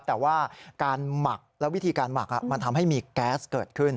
แต่ว่าการหมักแล้ววิธีการหมักมันทำให้มีแก๊สเกิดขึ้น